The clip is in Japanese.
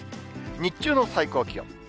日中の最高気温。